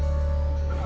ini pasti pik cewek